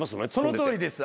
そのとおりです。